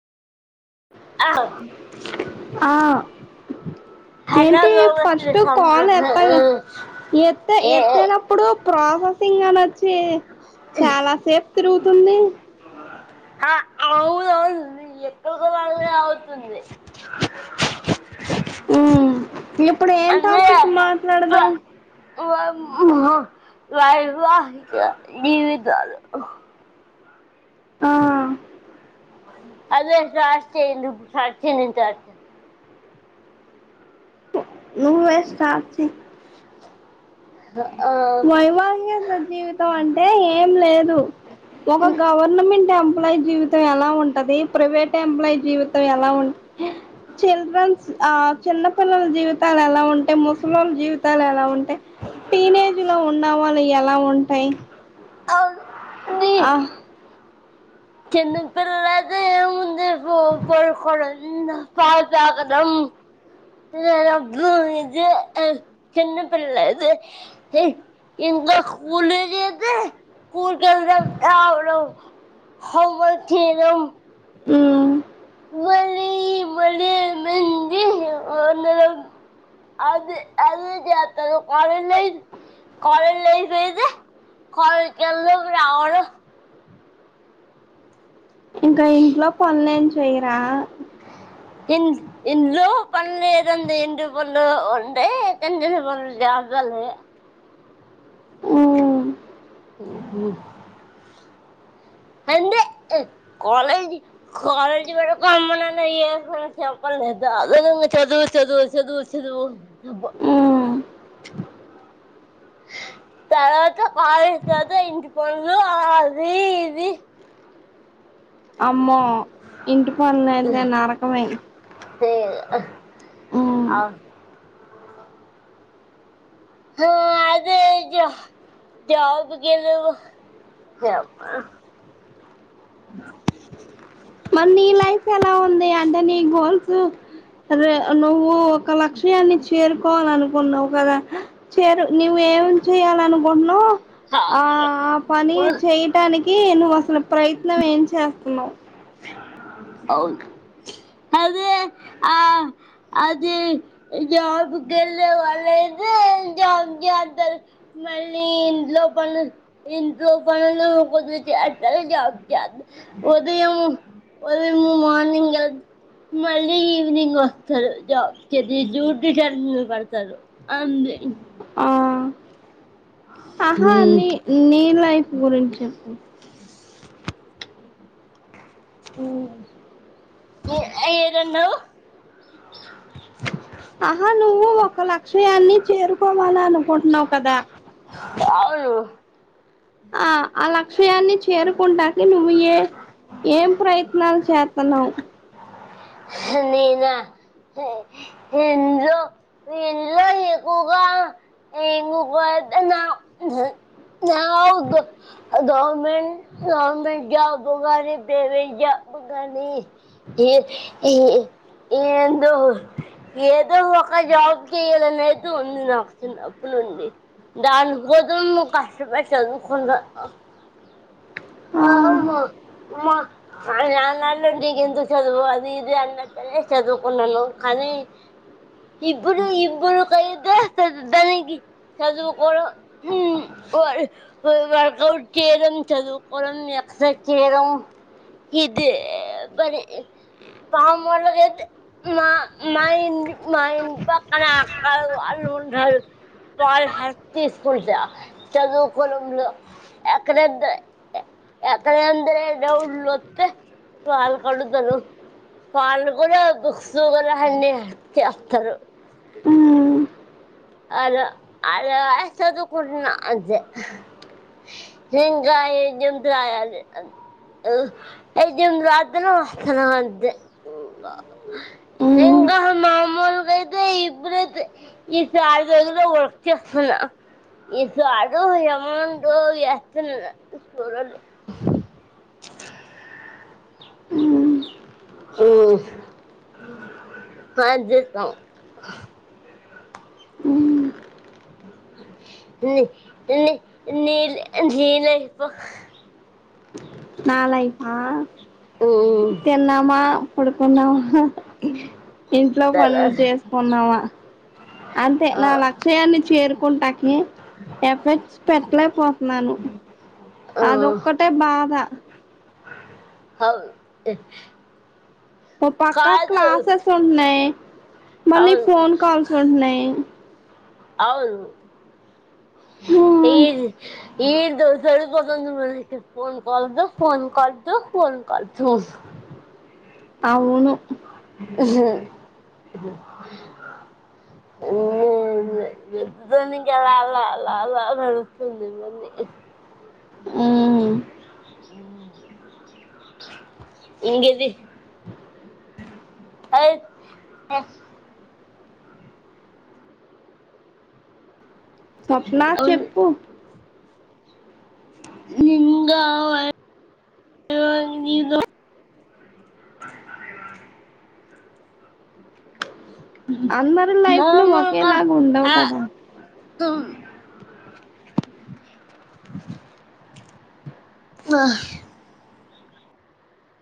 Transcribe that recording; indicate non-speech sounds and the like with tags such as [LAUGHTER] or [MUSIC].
అవును ఆ హలా ఏంటి ఫస్ట్ గ కాల్ ఎత్త ఎత్తనప్పుడు ప్రాసెసింగ్ అనోచ్ చాలా సేపు తిరుగుతుంది ఆ అవునవును ఎక్కడుకో వాళ్ళే అవుతుంది మ్ ఇప్పుడు ఏం అంటే టాపిక్ మాట్లాడుదాం వైవ జీవితాలు ఆ అదే [UNINTELLIGIBLE] నువ్వే స్టాప్ చైయ్ వైవాహిక జీవితం అంటే ఏం లేదు ఒక గవర్నమెంట్ ఎంప్లాయీ జీవితం ఎలా ఉంటది ప్రైవేట్ ఎంప్లాయీ జీవితం ఎలా ఉంట్ చిల్డ్రన్స్ ఆ చిన్నపిల్లల జీవితాలు ఎలా ఉంటాయి ముసలళ్ల జీవితాలు ఎలా ఉంటాయి టే టీనేజ్ లో ఉన్నవాళ్ళు ఎలా ఉంటాయ్ అవును ఆ చిన్న పిల్లది ఎం ఉంది ప్ పడుకొవడం పాలు తాగడం న అబ్బ ఇది చిన్న పిల్లది, ఇంకా స్కూల్ డేస్ అయితే స్కూల్తే రాదు హావ్ వస్ తీరం ఉ వెళ్లి వెళ్లి వందే మాతరం అది అదె చేతారా కాలేజీ లా కాలేజ్ లైఫ్ ఈదా కాలేజీకి వెళ్లడం రావడం ఇంకా ఇంట్లో పనులేం చెయరా, ఇ ఇంట్లో పని లేదండి ఇంటి పనులు ఉంటే చిన్న చిన్న పన్ను లు చేస్తానండి, కాలే ఉమ్ [UNINTELLIGIBLE] అండి కాలేజ్ కాలేజ్ వెళ్లేదాకా అమ్మానాన్న ఏం పని చెప్పలేదు, అ ఊకె చదువు చదువు చదువు చదువుబ ఉమ్ [UNINTELLIGIBLE] తర్వాత కాలేజ్ తర్వాత ఇంటి పనులు అది ఇది, అమ్మో ఇంటి పనులు అయితే నరకమె అవు హ అది జ జాబ్ గేదె యమ్మా మరి నీ లైఫ్ ఎలా ఉంది అంటే నీ గోల్స్, రే నువ్వు ఒక లక్ష్యాన్ని చేరుకోవాల అనుకున్నావు కదా చేరు నువ్వ ఏం చేయాలనుకుంటునావు ఆ ఆ పని చేయటానికి నువ్వు అసలు ప్రయత్న ప్రయత్నం ఏం చేస్తున్నావు, అవును అదే ఆ అది జాబ్కిెళ్ళ వాళ్ళది వెళ్లి జాబ్ చేయంటారు మళ్ళీ ఇంట్లో పన్నులు ఇంట్లో పన్నులు, నువ్వు చేస్తే జాబ్ చే ఉదయం ఉదయం మార్నింగ్ వెళ్తే, మళ్ళీ ఈవినింగ్ వస్తారు జాబ్కిది డ్యూటీ టర్మింగ్ పడతారు, అందు ఆ [UNINTELLIGIBLE] ఆహా నీ నీ లైఫ్ గురించి చెప్పు, ఎటంటున్నావు, ఆ నువ్వు ఒక లక్ష్యాన్ని చేరుకోవాల అనుకుంటున్నావు కదా అవును ఆ ఆ లక్ష్యాన్ని చేరుకుంటాక నువ్వు ఎ ఏం ప్రయత్నాలు చేతన్నావు, నేన ఇంట్లో ఇంట్లో ఎక్కువ గా ఇగో పొద్దున్న నాకు గవర్నమెంట్ గవర్నమెంట్ జాబ్ గాని ఏమైదో బుగని ఏ ఏ ఏందో ఏదో ఒక జాబ్ చెయ్యాలనియితే ఉంది నాకు చిన్నప్పుడినుండి, దాని కోసం కష్టపడి చదువు కూన ఆ అమ్మా ఉమ్ అన్నంటికి నీకు ఎందు చదువు అది ఇది అన్నప్ప అయినా చదువు కున్నాను కానీ ఇప్పుడు ఇప్పుడు కలిపేస్తది ఇద్దరికి, చదువు కూడా వర్కౌట్ చేయడం చదువు వాళ్లని ఎక్సైజ్ చేయడం ఇదే పని త మళ్ల చేతే మా మా ఇటమా ఇంటి పక్కన అక్క వాళ్ళు ఉండారు, వాళ్ళు హ్యాపీ స్కూల్ జ చదువు కోవడం లో ఎక్కడ ఆతన అంద్రే డౌళ్లు వత్తల్ కడుతను వాళ్ళు కూడా బుక్స్ కూడాల అన్నీ చేస్తారు ఉమ్ అ అ అస దకున్నా హకాయ నింతయా అయితే ఉంది అద్దనా వాస్తనా అంత తెంగా మామూలుగా అయితే ఇప్పుడైతే ఇ [UNINTELLIGIBLE] ఇ అడు ఎమౌంట వస్తు చూ ఉమ్ స చేస్తాం అ ని ని నీల్ నీల ఇప్పు నా లైఫ్ ఆ ఉమ్, తిన్నామా కుడుకున్నామా ఇంట్లో పనులు తెల్లారి- చేసుకున్నావా అంటే ఆ, నా లక్ష్యాన్ని చేరుకుంటా ఎఫెక్ట్స్ పెట్టలేకపోతున్నాను ఆ, అదొక్కటే బా బాద హవు అ పక్క క్లాసస్ ఉన్నాయి మళ్ళీ అవును ఫోన్ కాల్స్ ఉంటున్నాయి అవును ఈ ఈ దోసడు ప మన ఫోన్ కదు ఫోన్ కదు ఫోన్ కదు అవును కాలాలాల వెడుగుతుంది మన్న [INAUDIBLE] ఏమి ఇంగిది యై ట్ సప్లా చెప్పు నింగావ నిద అందరి లైఫ్ లు ఒకేలాగ ఉండవు కదా తమ్ ఆహ